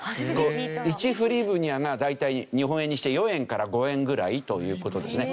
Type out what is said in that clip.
１フリヴニャが大体日本円にして４円から５円ぐらいという事ですね。